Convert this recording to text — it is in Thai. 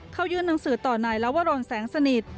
เข้ายืนหนังสือต่อไหนแล้วว่ารอนแสงสนิท